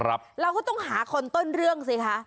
เราก็ต้องหาคนต้นเรื่องสิคะ